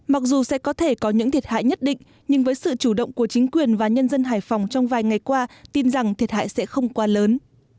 mặc dù sẽ có thể có những thiệt hại nhất định nhưng với sự chủ động của chính quyền và nhân dân hải phòng trong vài ngày qua tin rằng thiệt hại sẽ không quá lớn